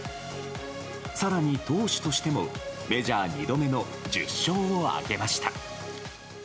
更に投手としてもメジャー２度目の１０勝を挙げました。